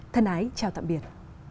thân ái chào tạm biệt